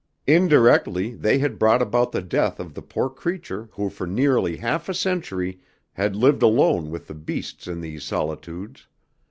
Indirectly they had brought about the death of the poor creature who for nearly half a century had lived alone with the beasts in these solitudes.